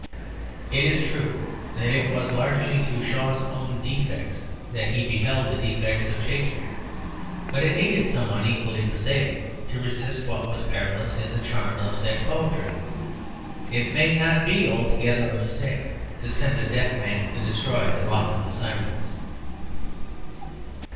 It is true that it was largely through Shaw's own defects that he beheld the defects of Shakespeare. But it needed someone equally prosaic to resist what was perilous in the charm of such poetry; it may not be altogether a mistake to send a deaf man to destroy the rock of the sirens.